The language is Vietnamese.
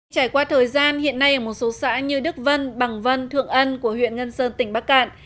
trải qua thời gian hiện nay ở một số xã như đức vân bằng vân thượng ân của huyện ngân sơn tỉnh bắc cạn